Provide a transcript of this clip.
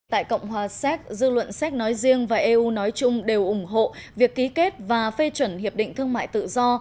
tại cộng hòa séc dư luận séc nói riêng và eu nói chung đều ủng hộ việc ký kết và phê chuẩn hiệp định thương mại tự do